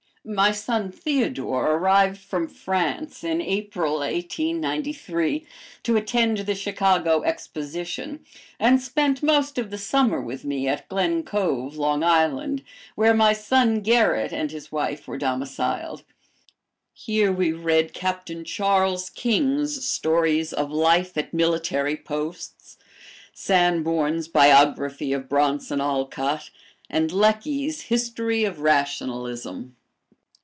My son Theodore arrived from France in April, 1893, to attend the Chicago Exposition, and spent most of the summer with me at Glen Cove, Long Island, where my son Gerrit and his wife were domiciled. Here we read Captain Charles King's stories of life at military posts, Sanborn's "Biography of Bronson Alcott," and Lecky's "History of Rationalism."